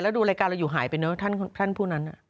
แล้วดูรายการเราอยู่หายไปเนอะท่านผู้นั้น